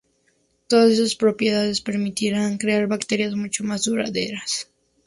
Todas estas propiedades permitirán crear baterías mucho más duraderas.